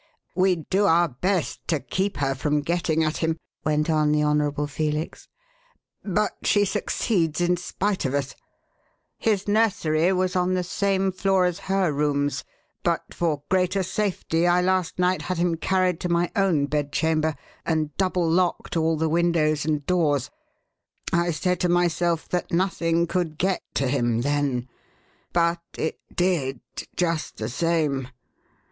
"We do our best to keep her from getting at him," went on the Honourable Felix, "but she succeeds in spite of us. His nursery was on the same floor as her rooms, but for greater safety I last night had him carried to my own bedchamber and double locked all the windows and doors. I said to myself that nothing could get to him then; but it did, just the same!